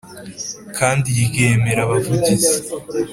Kandi ryemera abavugizi